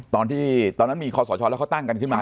ตอนนั้นมีคอสชแล้วเขาตั้งกันขึ้นมา